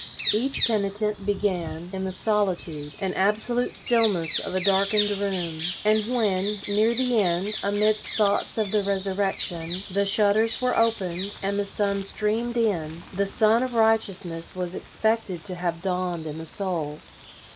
Each penitent began in the solitude and absolute stillness of a darkened room, and when, near the end, amidst thoughts of the resurrection, the shutters were opened, and the sun streamed in, the sun of righteousness was expected to have dawned in the soul.